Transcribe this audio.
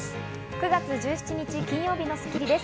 ９月１７日、金曜日の『スッキリ』です。